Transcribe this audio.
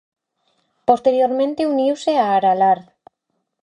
Posteriormente uniuse a Aralar.